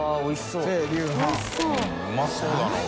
うまそうだなこれ。